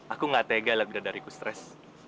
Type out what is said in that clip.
aku nggak tega lebih dari ku stres